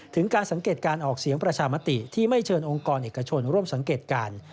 ถึงการสังเกตการออกเสียงประชามติที่ไม่เชิญองค์กรเอกชนร่วมสังเกตการ